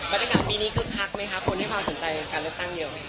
บรรยากาศปีนี้คือคักไหมคะคนที่พาสนใจการเลือกตั้งเดียว